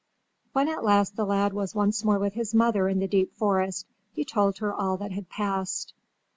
When at last the lad was once more with his mother in the deep forest he told her all that had passed.